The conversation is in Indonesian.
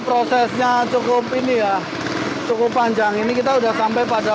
proses ini dilakukan untuk membentuk tepung menjadi butiran kecil kecil